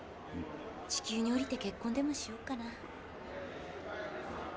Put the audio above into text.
地球に降りて結婚でもしようかな。